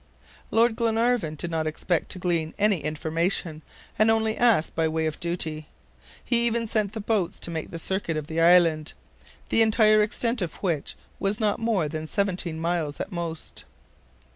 Lord Glenarvan did not expect to glean any information, and only asked by the way of duty. He even sent the boats to make the circuit of the island, the entire extent of which was not more than seventeen miles at most.